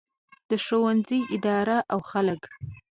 د ښوونځي اداره او خلک.